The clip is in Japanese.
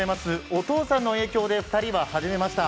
お父さんの影響で２人は始めました。